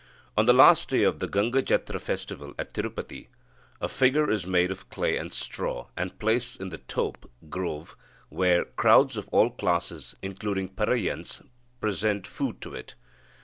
On the last day of the Gangajatra festival at Tirupati, a figure is made of clay and straw, and placed in the tope (grove), where crowds of all classes, including Paraiyans, present food to it.